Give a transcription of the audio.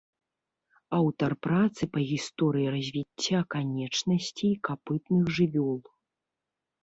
Аўтар працы па гісторыі развіцця канечнасцей капытных жывёл.